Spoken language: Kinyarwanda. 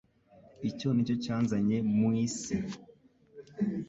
Icyo ni cyo cyanzanye mu isi.»